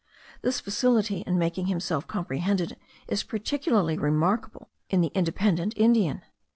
This facility in making himself comprehended is particularly remarkable in the independent Indian.